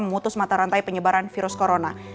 memutus mata rantai penyebaran virus corona